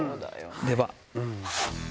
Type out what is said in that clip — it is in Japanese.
では。